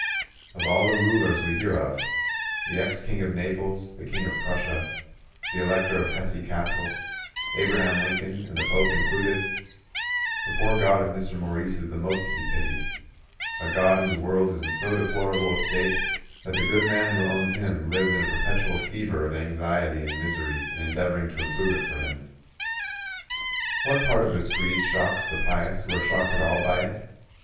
Of all the rulers we hear of—the ex king of Naples, the king of Prussia, the Elector of Hesse Cassel, Abraham Lincoln, and the Pope included—the poor God of Mr. Maurice is the most to be pitied: a God whose world is in so deplorable a state that the good man who owns Him lives in a perpetual fever of anxiety and misery in endeavoring to improve it for Him. What part of this creed shocks the pious who are shocked at all by it?